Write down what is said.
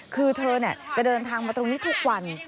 คือเธอจะเดินทางมาตรงนี้ทุกวัน